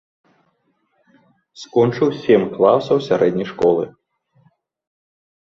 Скончыў сем класаў сярэдняй школы.